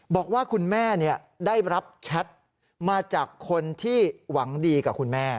บอกว่าคุณแม่ได้รับแชทมาจากคนที่หวังดีกับคุณแม่